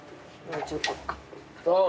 ああ。